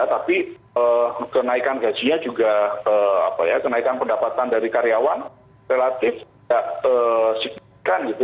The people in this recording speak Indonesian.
tapi kenaikan gajinya juga kenaikan pendapatan dari karyawan relatif tidak signifikan gitu